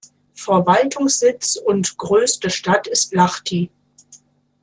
Verwaltungssitz und größte Stadt ist Lahti.